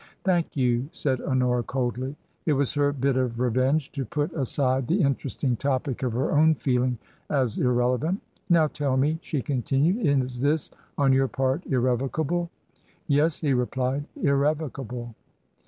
" Thank you," said Honora, coldly. It was her bit of revenge to put aside the interesting topic of her own feeling as irrelevant. " Now, tell me," she continued, " is this, on your part, irrevocable ?"Yes," he replied —" irrevocable."